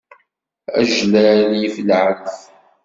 Ajlal yif lɛelf.